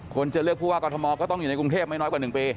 จะเลือกผู้ว่ากรทมก็ต้องอยู่ในกรุงเทพไม่น้อยกว่า๑ปี